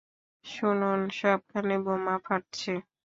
শুনুন, সবখানে বোমা ফাটছে।